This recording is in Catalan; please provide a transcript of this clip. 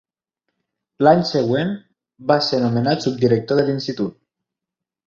L'any següent, va ser nomenat subdirector de l'Institut.